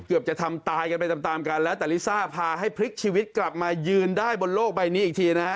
เกือบจะทำตายกันไปตามตามกันแล้วแต่ลิซ่าพาให้พลิกชีวิตกลับมายืนได้บนโลกใบนี้อีกทีนะฮะ